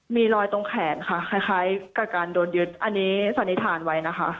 มีรอยตรงแขนค่ะคล้ายกับการโดนยึดอันนี้สันนิษฐานไว้นะคะ